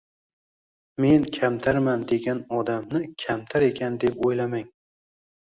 Men kamtarman degan odamni kamtar ekan deb o`ylamang